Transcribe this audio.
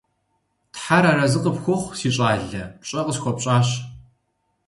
Тхьэр арэзы къыпхухъу, си щӀалэ, пщӀэ къысхуэпщӀащ.